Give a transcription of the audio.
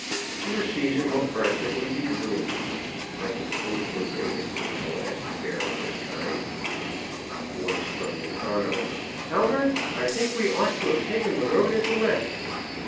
Your season will practically be ruined. I can quote verbatim from the last affair of this kind: (Voice from the tonneau): "Albert, I think we ought to have taken the road at the left."